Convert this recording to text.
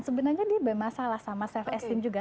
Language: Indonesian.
sebenarnya dia bermasalah sama self esteem juga